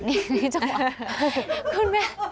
นี่จังหวะ